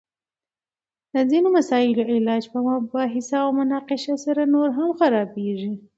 د ځینو مسائلو علاج په مباحثه او مناقشه سره نور هم خرابیږي!